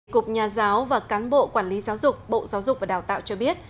cục nhà giáo và cán bộ quản lý giáo dục bộ giáo dục và đào tạo cho biết